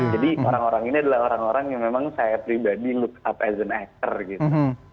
jadi orang orang ini adalah orang orang yang memang saya pribadi look up as an actor gitu